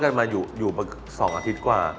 ก็ได้๒อาทิตย์กว่า